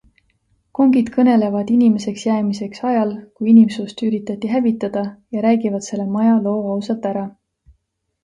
Kongid kõnelevad inimeseks jäämiseks ajal, kui inimsust üritati hävitada, ja räägivad selle maja loo ausalt ära.